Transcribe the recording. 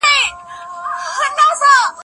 ته ولي مځکي ته ګورې.